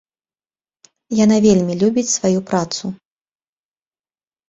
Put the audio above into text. Яна вельмі любіць сваю працу.